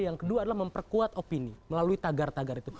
yang kedua adalah memperkuat opini melalui tagar tagar itu